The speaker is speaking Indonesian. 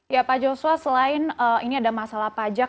ya pak joshua selain ini ada masalah pajak